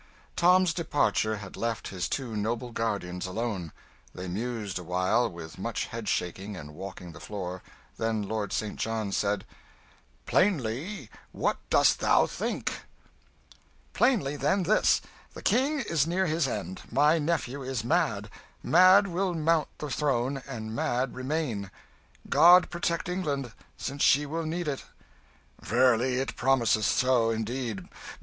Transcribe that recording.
Tom's departure had left his two noble guardians alone. They mused a while, with much head shaking and walking the floor, then Lord St. John said "Plainly, what dost thou think?" "Plainly, then, this. The King is near his end; my nephew is mad mad will mount the throne, and mad remain. God protect England, since she will need it!" "Verily it promiseth so, indeed.